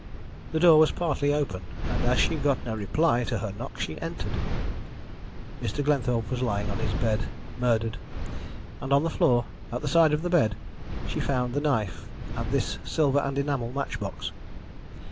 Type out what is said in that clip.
The door was partly open, and as she got no reply to her knock, she entered. Mr. Glenthorpe was lying on his bed, murdered, and on the floor at the side of the bed she found the knife and this silver and enamel match box.